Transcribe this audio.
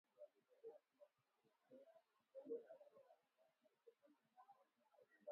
Kuhamisha makao makuu ya Kenya kutoka Nairobi hadi Isiolo